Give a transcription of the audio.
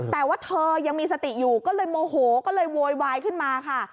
แต่ว่าเธอยังมีสติอยู่ก็เลยโมโหก็เลยโวยวายขึ้นมาค่ะ